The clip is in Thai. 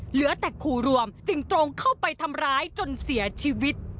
เหลือแต่ขู่รวมจึงตรงเข้าไปทำร้ายจนเสียชีวิต